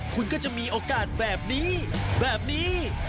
คุณก็จะมีโอกาสแบบนี้แบบนี้